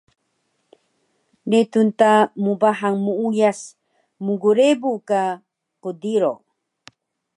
netun ta mbahang muuyas mgrebu ka qdiro